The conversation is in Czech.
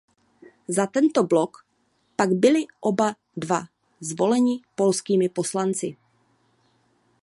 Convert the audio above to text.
Za tento blok pak byli oba dva zvoleni polskými poslanci.